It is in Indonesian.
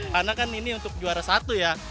karena kan ini untuk juara satu ya